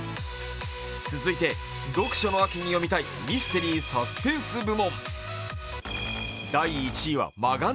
続いて、読書の秋に読みたいミステリー・サスペンス部門。